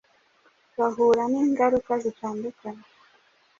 bahura n’ingaruka zitandukanye